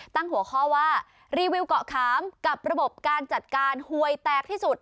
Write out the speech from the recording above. ตั้งหัวข้อว่ารีวิวเกาะขามกับระบบการจัดการหวยแตกที่สุด